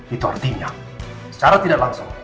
itu artinya secara tidak langsung